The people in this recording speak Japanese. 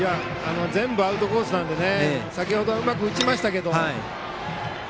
全部アウトコースなので先程はうまく打ちましたけど。